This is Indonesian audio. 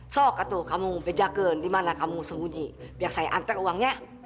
sok atau kamu bejaken di mana kamu sembunyi biar saya antar uangnya